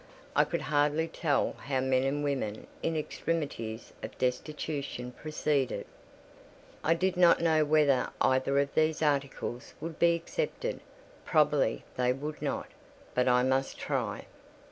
I could hardly tell how men and women in extremities of destitution proceeded. I did not know whether either of these articles would be accepted: probably they would not; but I must try.